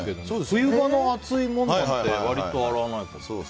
冬場の厚いものなんて割と洗わないかも。